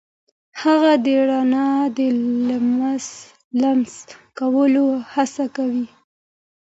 هغه د رڼا د لمس کولو هڅه وکړه.